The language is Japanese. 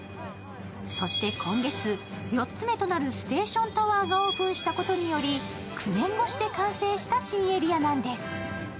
そして今月、４つ目となるステーションタワーがオープンしたことにより、９年越しで完成した新エリアなんです。